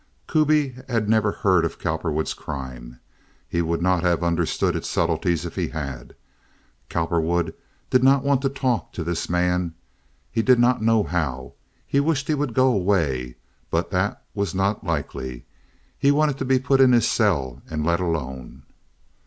Kuby had never heard of Cowperwood's crime. He would not have understood its subtleties if he had. Cowperwood did not want to talk to this man; he did not know how. He wished he would go away; but that was not likely. He wanted to be put in his cell and let alone.